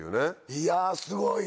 いやぁすごい。